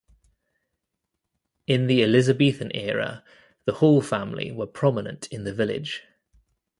In the Elizabethan era the Hall family were prominent in the village.